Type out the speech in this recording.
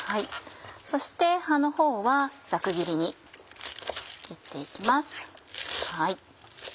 そして葉のほうはざく切りに切って行きます。